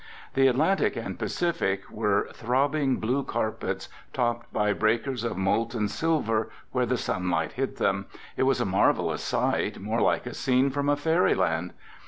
The Atlantic and Pacific were throbbing blue carpets, topped by breakers of molten silver where the sunlight hit them. It was a marvelous sight, more like a scene from a fairy land.